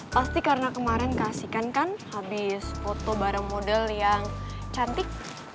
pasti karena kemarin keasikan kan habis foto bareng model yang cantik